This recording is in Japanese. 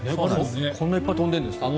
こんないっぱい飛んでるんですね。